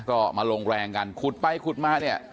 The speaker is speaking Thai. ก็มาลงแรงกันขุดไปขุดมาเนี่ย